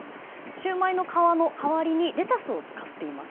しゅうまいの皮の代わりにレタスを使っています。